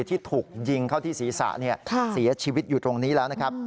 ที่ถูกยิงเข้าที่ศีรษะเสียชีวิตอยู่ตรงนี้แล้วนะครับ